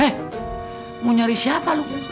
eh mau nyari siapa lu